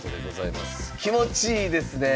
気持ちいいですねえ。